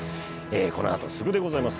この後すぐでございます